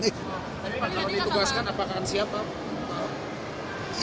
tapi kalau ditugaskan apakah siapa